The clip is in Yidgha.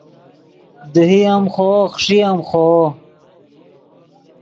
دیہے ام خوو خݰئے ام خوو